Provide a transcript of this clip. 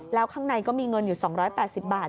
แล้วข้างในก็มีเงินอยู่๒๘๐บาท